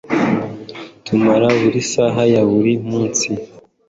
tumara buri saha ya buri munsi